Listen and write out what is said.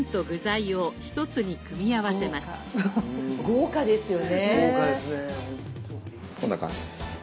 豪華ですね。